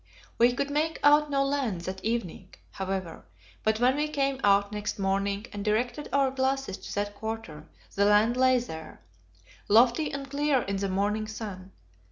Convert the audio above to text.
We could make out no land that evening, however; but when we came out next morning and directed our glasses to that quarter, the land lay there, lofty and clear in the morning sun.